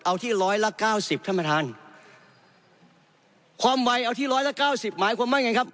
เอาที่ร้อยละ๙๐นะประธานความวัยเอาที่ร้อยละ๙๐หมายความว่าไงครับ